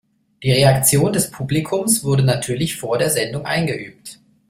Die Reaktion des Publikums wurde natürlich vor der Sendung eingeübt.